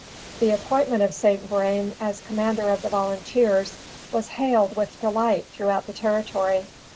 The appointment of St. Vrain as commander of the Volunteers, was hailed with delight throughout the territory.